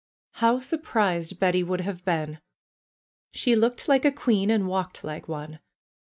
How surprised Betty would have been ! She looked like a queen and walked like one.